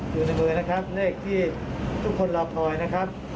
อยู่ในมือนะครับเลขที่ทุกคนรอคอยนะครับ